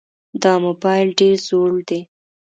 دا موبایل ډېر زوړ دی.